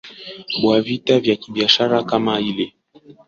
bua vita vya kibiashara kama ile